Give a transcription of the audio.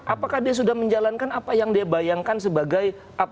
apakah dia sudah menjalankan apa yang dia bayangkan sebagai apa